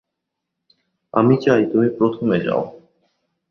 আমি চাই তুমি প্রথমে যাও।